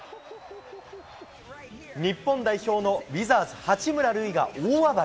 日本代表のウィザーズ、八村塁が大暴れ。